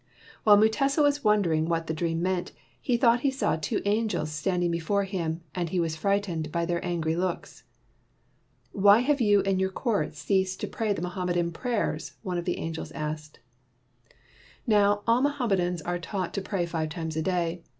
While Mutesa was wondering what the dream meant, he thought he saw two angels standing before him and he was frightened by their angry looks. "Why have you and your court ceased to 137* WHITE MAN OF WORK pray the Mohammedan prayers ?'' one of the angels asked. Now all Mohammedans are taught to pray five times a day.